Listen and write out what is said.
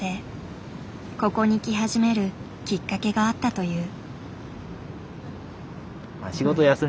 ここに来始めるきっかけがあったという。